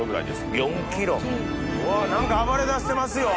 何か暴れ出してますよ！